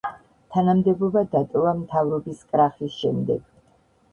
თანამდებობა დატოვა მთავრობის კრახის შემდეგ.